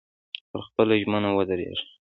پر خپله ژمنه ودرېږئ.